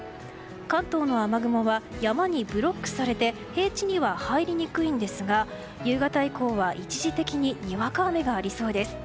関東の雨雲は山にブロックされて平地には入りにくいんですが夕方以降は一時的ににわか雨がありそうです。